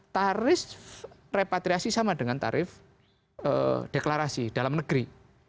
tarif repatriasi sama dengan tarif deklarasi dalam negeri